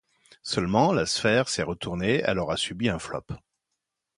Seulement, la sphère s'est retournée, elle aura subi un flop.